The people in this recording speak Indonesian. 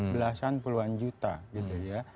belasan puluhan juta gitu ya